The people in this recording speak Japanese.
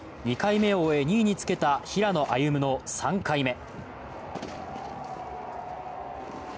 ２回目を終え２位につけた平野歩夢の３回目。